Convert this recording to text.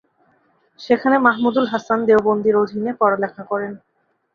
সেখানে মাহমুদুল হাসান দেওবন্দির অধিনে পড়ালেখা করেন।